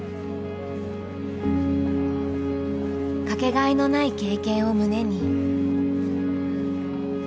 掛けがえのない経験を胸に。